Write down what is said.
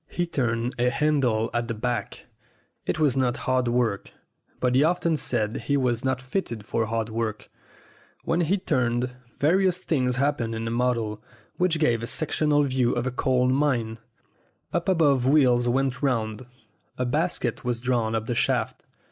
He turned a handle at the back. It was not hard work, but he often said he was not fitted for hard work. When he turned, various things hap pened in the model, which gave a sectional view of a coal mine. Up above wheels went round. A basket was drawn up the shaft.